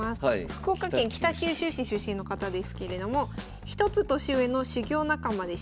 福岡県北九州市出身の方ですけれども１つ年上の修業仲間でした。